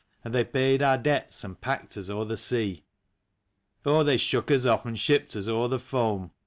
And they paid our debts and packed us o'er the sea. Oh, they shook us off and shipped us o'er the foam.